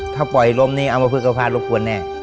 ถ้าปล่อยล้มนี่เอามาฟื้อกภาพรบควรแน่